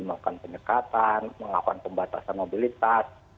melakukan penyekatan melakukan pembatasan mobilitas